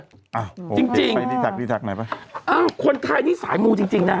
อ้าวจริงใดดีทักไหนป่ะอ้าวคนไทยนิสัยมูลจริงจริงนะฮะ